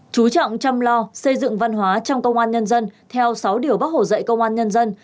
chú trọng chăm lo xây dựng văn hóa trong công an nhân dân theo sáu điều bác hồ dạy công an nhân dân